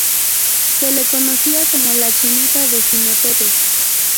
Se le conocía como ""la chinita de Jinotepe"".